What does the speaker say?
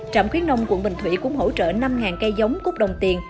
trạm khuyến nông quận bình thủy cũng hỗ trợ năm cây giống cút đồng tiền